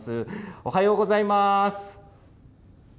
おはようございます。